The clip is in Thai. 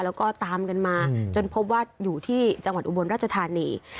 แล้วก็ตามกันมาจนพบว่าอยู่ที่จังหวัดอุบลราชธานี